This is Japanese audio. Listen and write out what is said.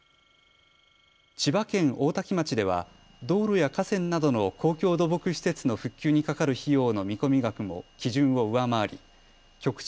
千葉県大多喜町では道路や河川などの公共土木施設の復旧にかかる費用の見込み額も基準を上回り局地